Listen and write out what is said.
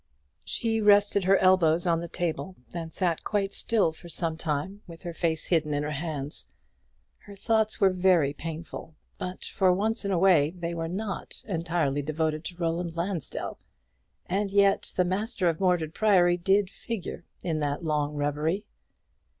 She rested her elbows on the table, and sat quite still for some time with her face hidden in her hands. Her thoughts were very painful; but, for once in a way, they were not entirely devoted to Roland Lansdell; and yet the master of Mordred Priory did figure in that long reverie.